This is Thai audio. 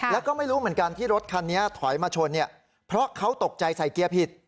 แล้วก็ไม่รู้เหมือนกันที่รถคันนี้ถอยมาชนเนี่ยเพราะเขาตกใจใส่เกียร์ผิด